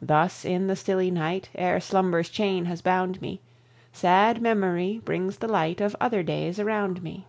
Thus in the stilly night Ere slumber's chain has bound me, Sad Memory brings the light Of other days around me.